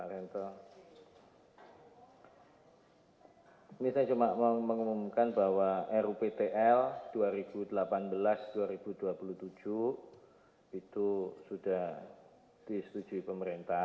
ini saya cuma mengumumkan bahwa ruptl dua ribu delapan belas dua ribu dua puluh tujuh itu sudah disetujui pemerintah